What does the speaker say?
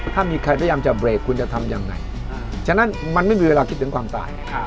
ถ้ามีใครพยายามจะเบรกคุณจะทำยังไงฉะนั้นมันไม่มีเวลาคิดถึงความตาย